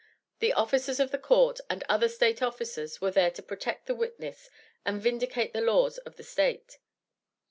The officers of the court and other State officers were there to protect the witness and vindicate the laws of the State.